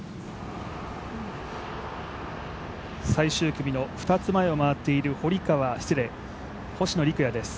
最終組の２つ前を回っている星野陸也です。